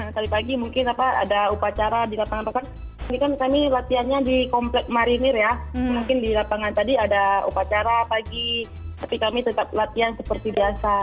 tapi kami tetap latihan seperti biasa